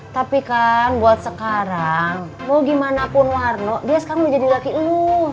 tapi kan buat sekarang mau gimana pun warno dia sekarang mau jadi laki lo